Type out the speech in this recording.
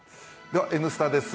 では「Ｎスタ」です。